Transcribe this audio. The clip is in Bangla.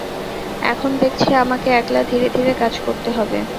এখন দেখছি, আমাকে একলা ধীরে ধীরে কাজ করতে হবে।